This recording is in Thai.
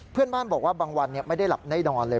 เพื่อนบ้านบอกว่าบางวันไม่ได้หลับได้นอนเลย